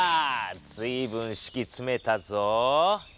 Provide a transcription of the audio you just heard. ずい分しきつめたぞ。